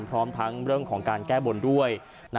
พร้อมทั้งเรื่องของการแก้บนด้วย